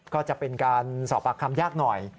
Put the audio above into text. ก็จะเป็นการสอบปากคำยากหน่อย